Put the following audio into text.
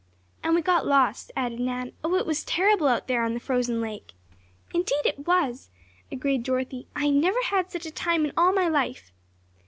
"And we got lost," added Nan. "Oh, it was terrible out there on the frozen lake!" "Indeed it was," agreed Dorothy. "I never had such a time in all my life."